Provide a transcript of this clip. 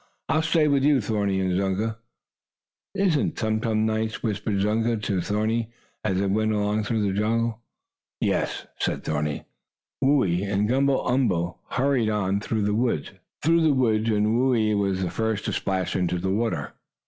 "I'll stay with you, Thorny, and Zunga." "Isn't Tum Tum nice?" whispered Zunga to Thorny, as they went along through the jungle. "Yes," said Thorny. Whoo ee and Gumble umble hurried on through the woods, and Whoo ee was the first to splash into the water.